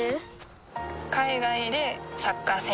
海外でサッカー選手になる